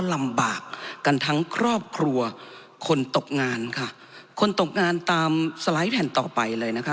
ลำบากกันทั้งครอบครัวคนตกงานค่ะคนตกงานตามสไลด์แผ่นต่อไปเลยนะคะ